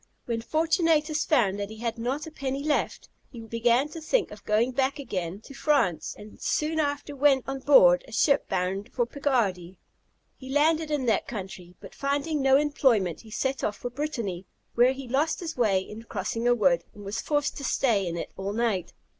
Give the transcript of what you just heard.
When Fortunatus found that he had not a penny left, he began to think of going back again to France, and soon after went on board a ship bound to Picardy. He landed in that country, but finding no employment he set off for Brittany, when he lost his way in crossing a wood, and was forced to stay in it all night.